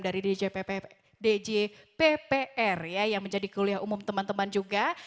dan juga tentang program dari djppr yang menjadi kuliah umum teman teman juga